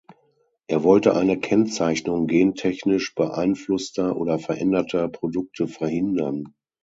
Er wollte eine Kennzeichnung gentechnisch beeinflusster oder veränderter Produkte verhindern.